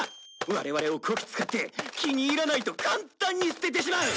我々をこき使って気に入らないと簡単に捨ててしまう。